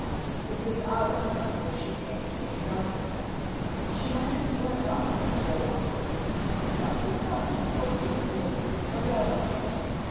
It was hours before she came to herself again, and she might have slept on still longer, had not the sound of horses' hoofs aroused her.